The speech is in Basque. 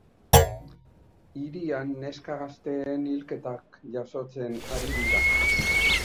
Hirian neska gazteen hilketak jazotzen ari dira.